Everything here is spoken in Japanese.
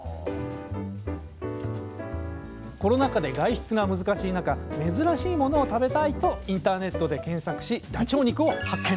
コロナ禍で外出が難しい中珍しいものを食べたいとインターネットで検索しダチョウ肉を発見。